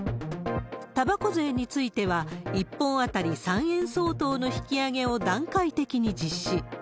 たばこ税については、１本当たり３円相当の引き上げを段階的に実施。